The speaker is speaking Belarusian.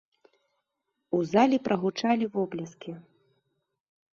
У залі прагучалі воплескі.